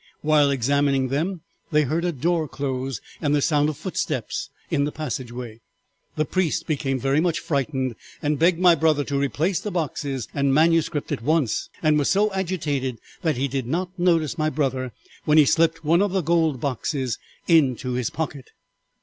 While examining them they heard a door close and the sounds of footsteps in the passageway. The priest became very much frightened and begged my brother to replace the boxes and manuscript at once, and was so agitated that he did not notice my brother when he slipped one of the gold boxes into his pocket.